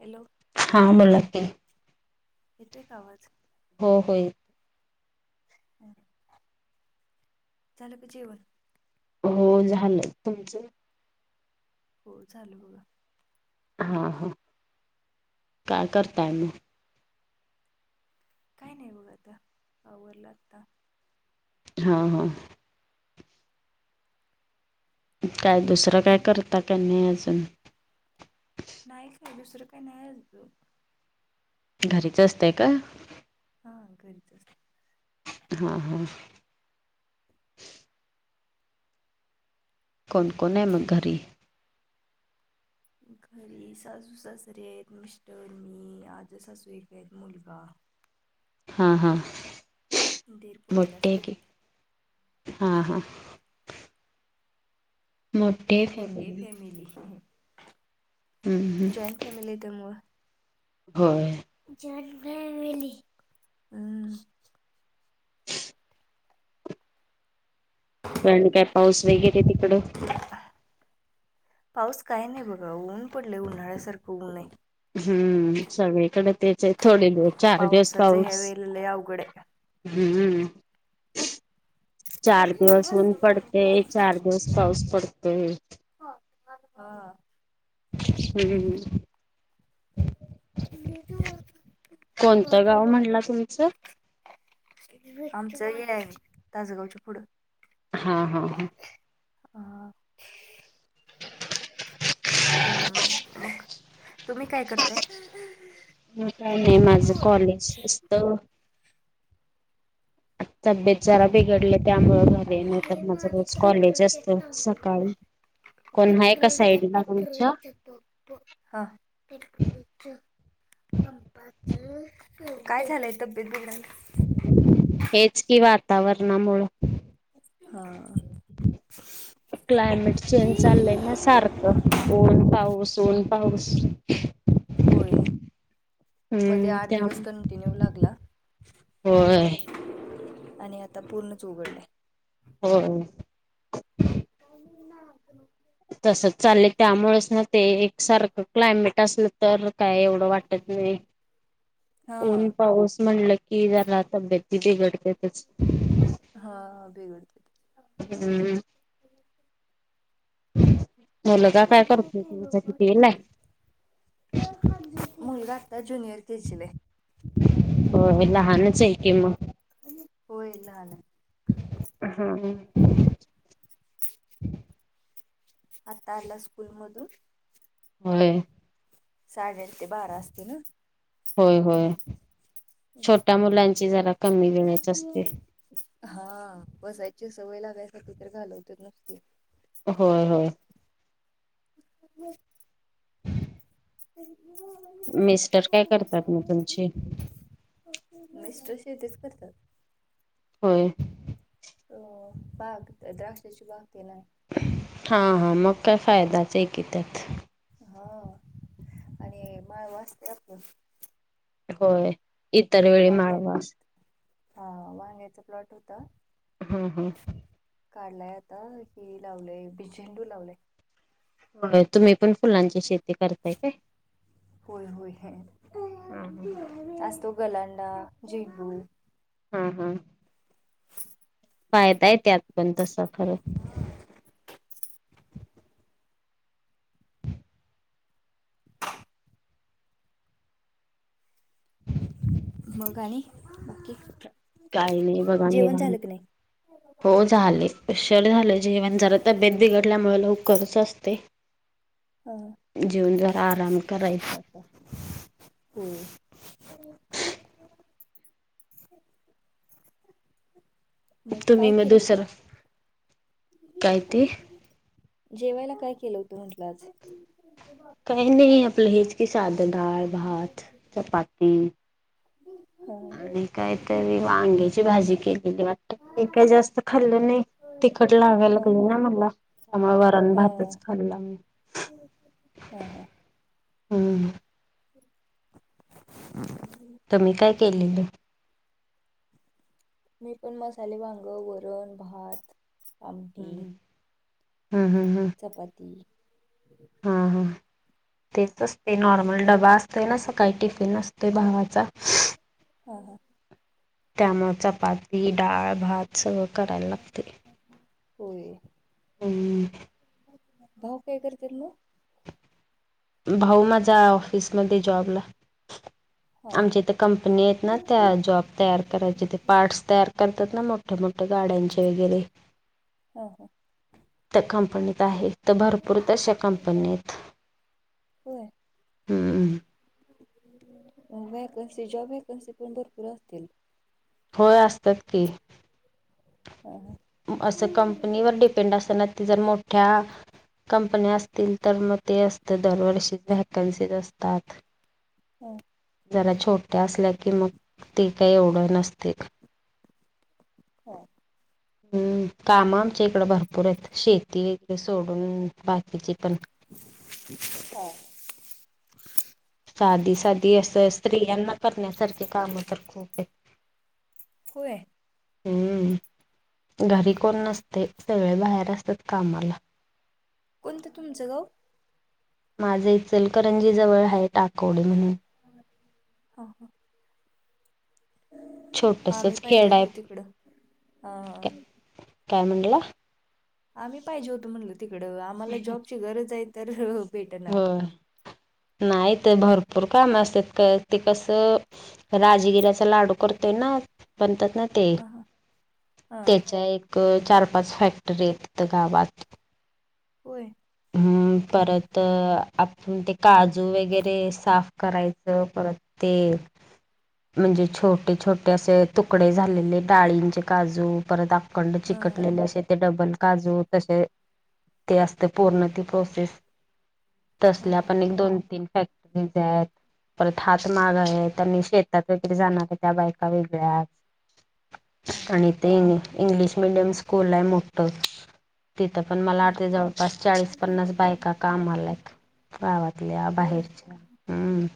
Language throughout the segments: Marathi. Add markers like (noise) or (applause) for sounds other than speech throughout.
हॅलो हा मुलाकी येतोय का आवाज हो होय चाल का जेवण हो झालं तुमचं हो चाल बघा हा हा काय करताय मी काय नाही बघ आता आवरला आता हा हा काय मग दुसरं काय तुम्ही करता का नाही अजून नाही काय दुसरं काही नाही असत घरीच असतंय का हा घरीचचते हां हां कोण कोने म घरी घरी सासू सासरे आहेत मिस्टर मी आजू सासू एक आहेत मुलगा हा हा दीर पुण्याला मोठे असतात क हा हा मोठी होय आहे मो तेे फॅमिली हम्म जॉईंट फॅमिली येत मळ हो जन्मवेली हम् पण काय पाऊस वगैरे तिकडं पाऊस काय नाही बघा ऊन पडलं उन्हाळ्यासारखं ऊन आहे हम्म सगळीकडे तेच थोडे दे पावसाच ह्या वेलय अवघडे हम्म चार दिवस होऊन पडते चार गस्त पाऊस पडतय ह हा हम् हम म कोणतं गाव वाप म्हटला तुमचं? आमचं हे तासगावच्या पुढं हा हा हा ह त्या तुम्ही काय करताय ह काय नाही माझं कॉलेज असत तब्येत जरा बिघडले त्यामुं झाले नतर माझं रोज कॉलेज असत सकाळी कोन्हा ए साईडला तुमच्या त हा बिकुलच पपा काय झालंय तब्येत बघडलं हेच की वातावरणामुळ हा क्लायमेट चेंज चाललंय ना सारखं ओन पाऊस ओन पाऊस होय मध्ये हम्म आठ दिवस त्यामुळं कंटिन्यू लागला होय आणि आता पूर्णच उघडले हो का ना तस चाललं त्यामुळेच ना ते एकसारखं क्लायमेट असलं तर काय एवढं वाटत नाही हा ऊन पाऊस म्हणलं की जला तब्येत बिघडतेच हा बेघडते हम्मम म लगा काय करतो तु तेल आहे मुलगाता ज्युनियर के जी ला आहे. हो लहानच आहे की मग होयललं हा आता आला स्कूल मधून हो साडे अठ ते बारा असते ना होय होय छोट्या मुलांची जरा कमी वेळेच असते हा बसायच्या सवयीला व्यासात तर घालवतच नसते होय होय ब ह (unintelligible) मिस्टर काय करतात मग तुमचे. मिस्टर शेतीच करतात. होय. अ बाग द्राक्षाची बाग तेन आहे. हा हा मग काय फायदाच आहे की त्यात. हा आणि माळ वाचते होय इतर वेळी वांग्यात माळव असतं. हा वांग्याच प्लॉट होता. हम्म हम्म काढलाय आता कि लावलंय भी झेंडू लावलय. हो तुम्ही पण फुलांची शेती करताय काय होय होय हे हा हा आज तो गलांडा झिंगू हम्म हम्म पाहताय त्यात पण तस खरं. (inaudible) मग आणि बाकी. काही नाही बघा जेवण निवांत. झालं का नाही. हो झाले. उशीर झालं जेवण जरा तब्येत बिघडल्यामुळे लवकरच असतय. हा जेवुन जरा आराम करायचा. होय. मग तुम्ही काय केलं दुसरं होतं. काय ते. जेवायला काय केल होत म्हंटल आज. काही नाही आपल हेज की साध डाळ, भात, चपाती. हा आणि काहीतरी वांग्याची भाजी केलेली वाटत. मी काही जास्त खाल्लं नाही. तिखट लागायला हा लागलं ना मला. त्यामुळे वरण भातच हा खाल्ला मी. हा हा. हम्म (inaudible) तुम्ही मी काय केलेले. मी पण मसाले वांग, वरण, भात. आमटी हम्म हम्म हम्म चपाती हा हा तेच असते नॉर्मल. डबा असते ना सकाळी टिफिन असतोय भावाचा. हा हा त्यामुळे चपाती, डाळ, भात सगळं करायला लागते. होय. हम्म भाऊ काय करत्यात मग. भाऊ माझ्या ऑफिसमध्ये जॉबला हा आमच्या इथे कंपनी आहेत ना त्या जॉब तयार करायच्या. त्या पार्टस तयार करतात ना मग. मोठ्या मोठ्या गाड्यांचे वगैरे हा हा हा त्या कंपनीत आहे. तर भरपूर तशा कंपनी आहेत. होय. हम्म व्हॅकन्सी जॉब व्हॅकन्सी पण भरपूर असतील. होय असतात की. हा हा असं कंपनीवर डिपेंड असतना ती जर मोठ्या कंपनी असतील तर मग ते असत दरवर्षी व्हॅकन्सी असतात. ह. जरा छोट्या असल्या की मग ते काय एवढं नसते. हअ. हम्म काम आमच्या इकड भरपूर आहेत, शेती (unintelligible) सोडून बाकीचे पण हा. साधी साधी असं स्त्रियांना करण्यासारखी काम तर खूप येत होय. हम्म घरी कोण नसतय, सगळे बाहेर असत्यात कामाला कोणतं तुमचं गाव? माझ इचलकरंजी जवळ हाय टाकवडे म्हणून (inaudible) हा हा. आम्ही छोटसच पाहिजे खेड आहे होतो काय तिकडं, हा काय म्हणाला? आम्ही पाहिजे होतो म्हणलं तिकडं, आम्हाला जॉबची गरज आय तर भेटना नाई ते भरपूर काम असत्यात क ते कसं राजगिऱ्याचा लाडू करतोय ना बणतात ना ते हा हा हा त्याच्या एक चार पाच फॅक्टरी ये तित गावात होय. हम्म परत अ आपूण ते काजू वगैरे साफ करायचं परत ते म्हणजे छोटे छोटे अस तुकडे झालेले डाळींचे काजू परत आ कंड हा चिकटलेले असे ते डबल काजू तसे ते असत. पूर्ण ती प्रोसेस हा तसल्या पण एक दोन तीन फॅक्टरी इथे आहेत. परत हात माग आहेत, आणि शेतात वगैरे जाणाऱ्या त्या बायका वेगळ्याच हा आणि ते (unintelligible) इंग्लिश मिडियम स्कूल आय मोठं तिथं पण मला हा. वाटते जवळपास चाळीस पन्नास बायका कामाला आयत. गावातल्या, होय बाहेरच्या हम्म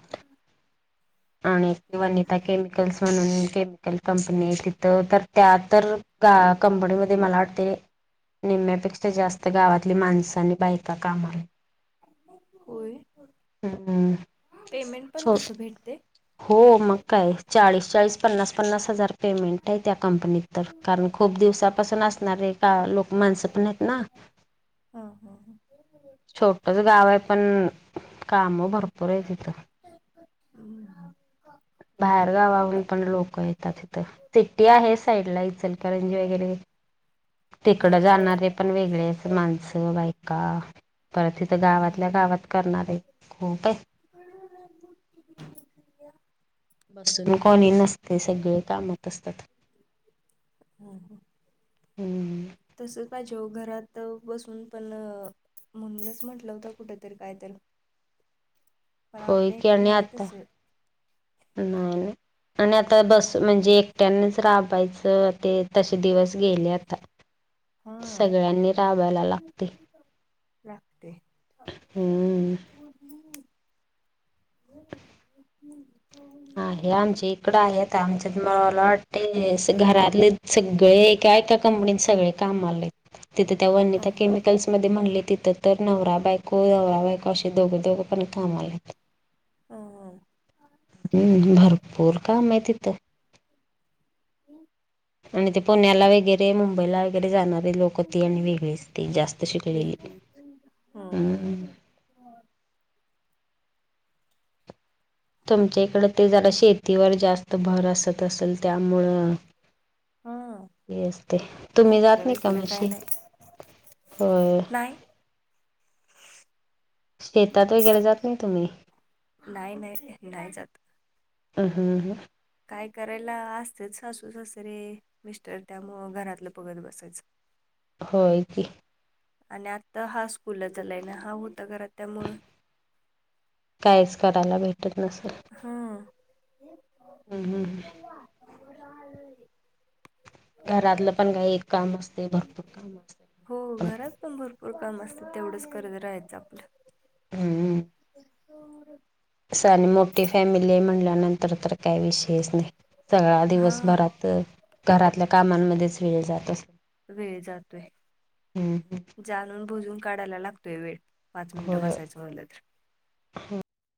आणि वनिता केमिकल्स म्हणून केमिकल कंपनी आहे तिथं तर त्या तर का कंपनी मध्ये मला वाटते. निम्यापेक्षा जास्त गावातली माणस आणि बायका कामालाय होय, हम्म पेमेंट पण छो तस भेटते हो मग काय चाळीस चाळीस पन्नास पन्नास हजार पेमेंट आय त्या कंपनीत तर कारण खूप दिवसापासून असणारे का लोक माणसं पण आहेत ना हा हा ह. छोटच गाव आय पण काम भरपूर आयेत हित (unintelligible) उ ह अ गावाहून पण लोक येतात ईथ सिटी आहे साईडला अ इचलकरंजी वगैरे तिकडं जाणारे पण वेगळे (unintelligible) माणसं, बायका परत इथं गावातल्या गावात करणारे खूप आय (unintelligible) किल्या बसून कोणी नसतय सगळ कामात असतात. हम्म. तसच पाहिजे ओ घरात बसून पण अ म्हणूनच म्हंटलं होतं कुठ तरी काय तर पण होय आपल्या हिकड नाही तस नाई ना आणि आता दस म्हणजे एकट्यानेच राबायचं ते तसे दिवस गेले आता हा सगळ्यांनी राबायला लागते. लागते हम्म हो अ हे आमचे इकड आहे आमच्या मला वाटते घरातले सगळे एका एका कंपनीत सगळे कामवाल्या आहेत तिथे ते ह वनिता ह केमिकल्स मध्ये म्हणले तिथं तर नवरा बायको नवरा बायको असे दोघं दोघं पण काम आहेत हो हो हम् भरपूर काम आहे तिथं आणि ते पुण्याला वैगैरे मुंबईला वगैरे जाणारे लोक ते आणि वेगळीच ते जास्त शिकलेले वेगळीच ह हम् तुमच्या इकड ते जरा शेतीवर जास्त भर असत असेल त्यामुळं हा हेच ते तुम्ही जात फॅक्टर नाही का वॅक्टर काय म्हशी नाही हो (inaudible) शेतात वगैरे जात नाही तुम्ही नाही नाही नाही नाही जात ह हां हां काय करायला असतेत सासू सासरे मिस्टर त्यामुळं घरातलं बघत बसायचं होय की आणि आता हा स्कूलचलाय ना हा होता घरा त्यामुळं कायच करायला भेटत नसेल हा घरातलं पण काही एक काम असते भरपूर काम असते पण एकण भरपूर काम असतं तेवढंच करत राहायचं आपलं हम् अस आणि मोठी फॅमिली आहे म्हणल्यानंतर तर काय विषयच नाही सगळा हा दिवसभरात घरातल्या कामांमध्येच वेळ जात असे वेळ जातोय जाणून बुजून काढायला लागतोय वेळ पाच मिनटं होय बसायचं म्हटलं तर